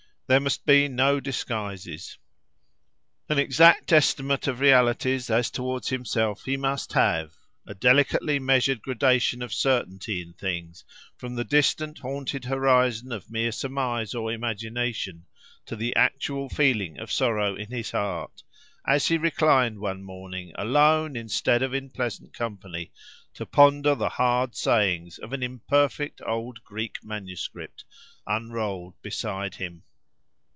There must be no disguises. An exact estimate of realities, as towards himself, he must have—a delicately measured gradation of certainty in things—from the distant, haunted horizon of mere surmise or imagination, to the actual feeling of sorrow in his heart, as he reclined one morning, alone instead of in pleasant company, to ponder the hard sayings of an imperfect old Greek manuscript, unrolled beside him.